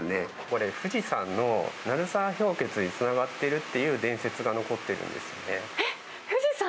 これ、富士山の鳴沢氷穴につながっているっていう伝説が残っているんでえっ、富士山？